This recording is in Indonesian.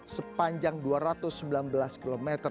sepanjang dua ratus sembilan belas km